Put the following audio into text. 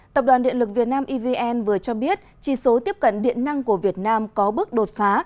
tập đoàn điện lực việt nam evn vừa cho biết chỉ số tiếp cận điện năng của việt nam có bước đột phá